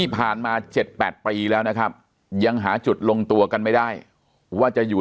ผ่านมา๗๘ปีแล้วนะครับยังหาจุดลงตัวกันไม่ได้ว่าจะอยู่